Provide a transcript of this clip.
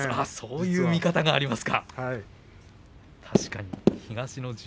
そういう見方もありますか。